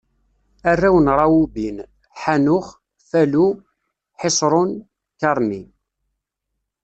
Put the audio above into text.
Arraw n Rawubin: Ḥanux, Falu, Ḥiṣrun, Karmi.